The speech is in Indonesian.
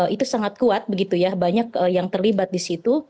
itu sangat kuat begitu ya banyak yang terlibat di situ